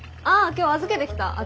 あ今日預けてきた。